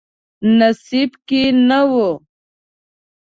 نصیب کې نه و.